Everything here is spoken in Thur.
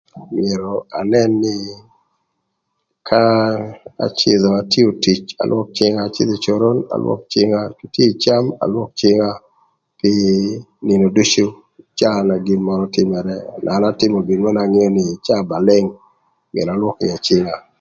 Myero anën nï ka acïdhö, atio tic alwök cïnga, acïdhö ï coron alwök cïnga, acïdhö ï cem, alwök cïnga ï nïnö ducu, caa na gin mörö tïmërë na an atïmö gin mörö na an angeo nï cïnga ba leng myero alwök cïnga.